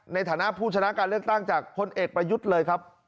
ในฐานะผู้ชนะการเลือกตั้งจากพลเอกประยุทธ์เลยครับ